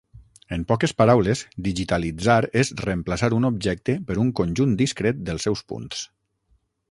En poques paraules, digitalitzar és reemplaçar un objecte per un conjunt discret dels seus punts.